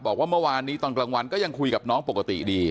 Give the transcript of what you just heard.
บอกว่าเมื่อวานนี้ตอนกลางวันก็ยังคุยกับน้องปกติดี